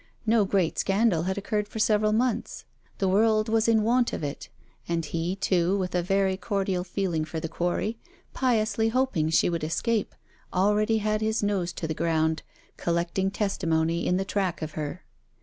No great scandal had occurred for several months. The world was in want of it; and he, too, with a very cordial feeling for the quarry, piously hoping she would escape, already had his nose to ground, collecting testimony in the track of her.